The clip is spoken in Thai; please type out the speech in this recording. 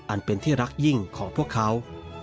อันเป็นที่รักยิ่งของพวกเขา